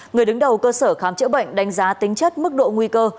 người đứng đầu cơ sở khám chữa bệnh đánh giá tính chất mức độ nguy cơ